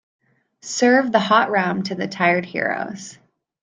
Serve the hot rum to the tired heroes.